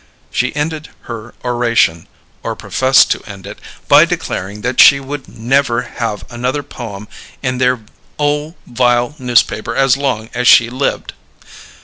She ended her oration or professed to end it by declaring that she would never have another poem in their ole vile newspaper as long as she lived.